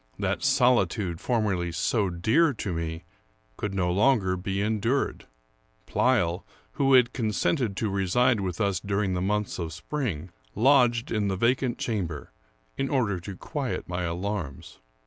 That solitude formerly so dear to me could no longer be endured. Pleyel, who had consented to reside with us during the months of spring, lodged in the vacant chamber, in order to quiet my alarms.